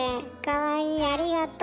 かわいいありがと。